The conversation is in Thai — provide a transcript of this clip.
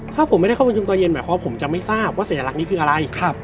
ถ้าผมไม่ได้เข้าประชุมตอนเย็นหมายความว่าผมจะไม่ทราบว่าสัญลักษณ์นี้คืออะไร